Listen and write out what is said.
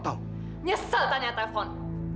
saya menyesal bertanya telepon